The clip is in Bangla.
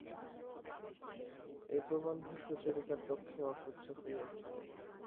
এই প্রবন্ধ সুচরিতার পক্ষে অসহ্য হইয়া উঠিল।